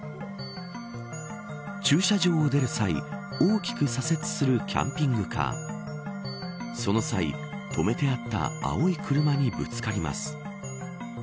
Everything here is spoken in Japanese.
駐車場を出る際大きく左折するキャンピングカーその際、止めてあった青い車にぶつかります。